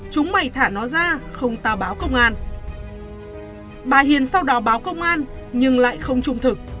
chúng mày thả nó ra không tao báo công an bà hiền sau đó báo công an nhưng lại không trung thực